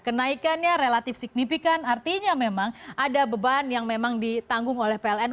kenaikannya relatif signifikan artinya memang ada beban yang memang ditanggung oleh pln